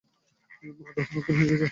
মা, রোহান অজ্ঞান হয়ে গেছে।